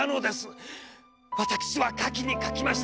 わたくしは描きに描きました。